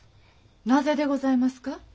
なぜでございますか？